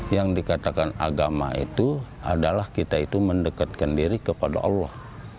yang dikatakan agama itu adalah kita itu mendekatkan diri kepada allah